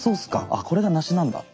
あこれが梨なんだ。